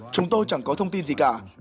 chúng tôi chẳng có thông tin gì cả